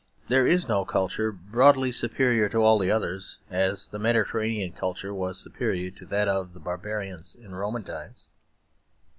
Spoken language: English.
There is no culture broadly superior to all others, as the Mediterranean culture was superior to that of the barbarians in Roman times.